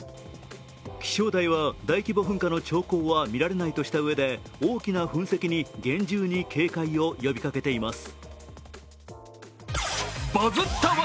気象台は大規模噴火の兆候は見られないとしたうえで、大きな噴石に厳重に警戒を呼びかけています。